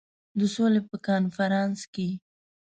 د سولي په کنفرانس کې.